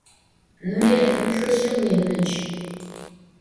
Nurıêt, mı txılhım vuêmıc!